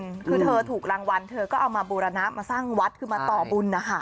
คือเธอถูกรางวัลเธอก็เอามาบูรณะมาสร้างวัดคือมาต่อบุญนะคะ